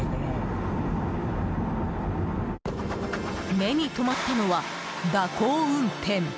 目に留まったのは、蛇行運転。